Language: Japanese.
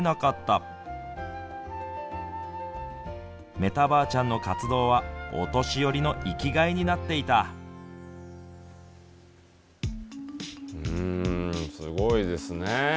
メタばあちゃんの活動はお年寄りの生きがいにすごいですね。